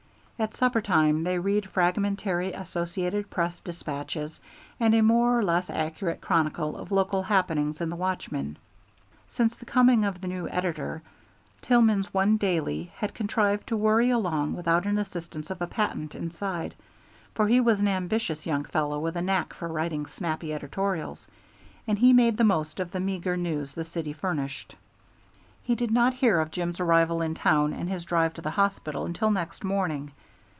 At supper time they read fragmentary Associated Press despatches and a more or less accurate chronicle of local happenings in The Watchman. Since the coming of the new editor, Tillman's one daily had contrived to worry along without the assistance of a patent inside, for he was an ambitious young fellow with a knack for writing snappy editorials, and he made the most of the meagre news the city furnished. He did not hear of Jim's arrival in town and his drive to the hospital until next morning.